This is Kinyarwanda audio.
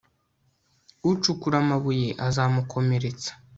ucukura amabuye, azamukomeretsa